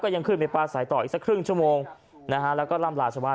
ก็ยังขึ้นไปปลาสายต่ออีกสักครึ่งชั่วโมงแล้วก็ล่ำลาชว่า